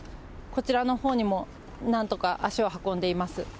こちらのほうにも何度か足を運んでいます。